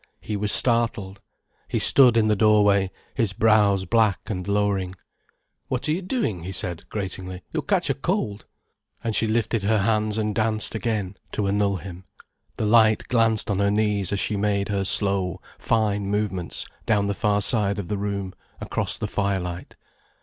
He was startled. He stood in the doorway, his brows black and lowering. "What are you doing?" he said, gratingly. "You'll catch a cold." And she lifted her hands and danced again, to annul him, the light glanced on her knees as she made her slow, fine movements down the far side of the room, across the firelight.